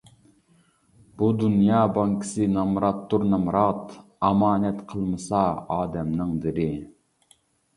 بۇ دۇنيا بانكىسى نامراتتۇر نامرات، ئامانەت قالمىسا ئادەمنىڭ دىرى.